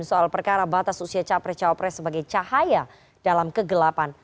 soal perkara batas usia capres cawapres sebagai cahaya dalam kegelapan